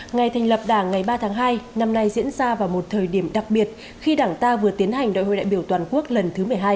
ngày thành lập đảng ngày ba tháng hai năm nay diễn ra vào một thời điểm đặc biệt khi đảng ta vừa tiến hành đại hội đại biểu toàn quốc lần thứ một mươi hai